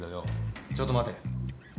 ちょっと待て。